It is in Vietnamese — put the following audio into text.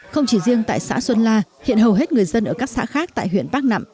không chỉ riêng tại xã xuân la hiện hầu hết người dân ở các xã khác tại huyện bắc nẵm